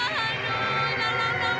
saya ada yang nampak